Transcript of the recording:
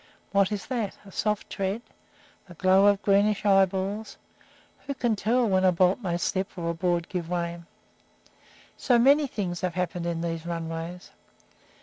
What is that? A soft tread? The glow of greenish eyeballs? Who can tell when a bolt may slip or a board give way? So many things have happened in these runways!